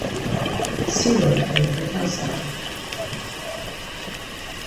Stewart played for Kelso.